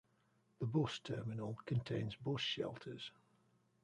The bus terminal contains bus shelters.